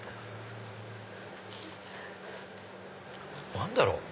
何だろう？